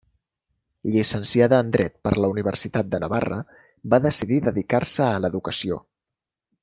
Llicenciada en Dret per la Universitat de Navarra, va decidir dedicar-se a l'educació.